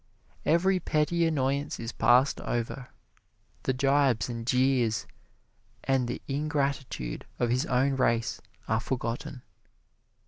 Every petty annoyance is passed over; the gibes and jeers and the ingratitude of his own race are forgotten.